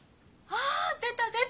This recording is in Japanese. あ出た出た。